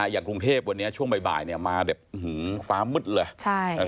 อย่างกรุงเทพวันนี้ช่วงบ่ายมาแบบฟ้ามืดเลย